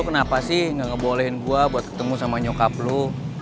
lo kenapa sih gak ngebolehin gue buat ketemu sama nyokap lo